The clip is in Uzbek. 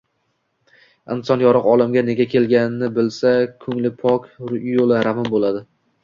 Inson yorug‘ olamga nega kelganini bilsa, ko‘ngli pok, yo‘li ravon bo‘ladi.